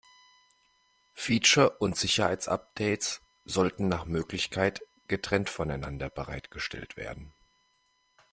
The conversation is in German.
Feature- und Sicherheitsupdates sollten nach Möglichkeit getrennt voneinander bereitgestellt werden.